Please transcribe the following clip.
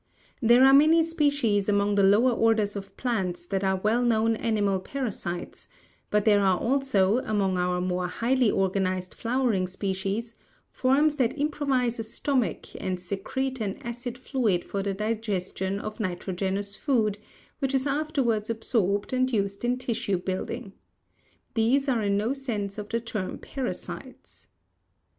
There are many species among the lower orders of plants that are well known animal parasites, but there are also, among our more highly organized flowering species, forms that improvise a stomach and secrete an acid fluid for the digestion of nitrogenous food which is afterwards absorbed and used in tissue building. These are in no sense of the term parasites.